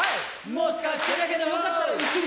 もしかしてだけどよかったら一緒に！